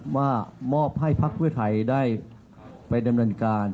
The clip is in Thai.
ว่ามอบให้ภักดิ์เพื่อไทยได้เป็นดำเนินการ